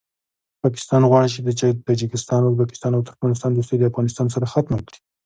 پاکستان غواړي چې د تاجکستان ازبکستان او ترکمستان دوستي د افغانستان سره ختمه کړي